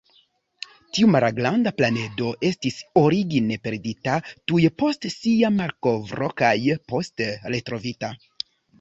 Tiu malgranda planedo estis origine perdita tuj post sia malkovro kaj poste retrovita.